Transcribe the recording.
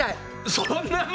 そんな前？